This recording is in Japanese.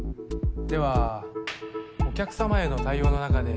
ではお客様への対応の中で。